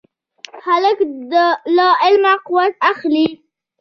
هلک له علمه قوت اخلي.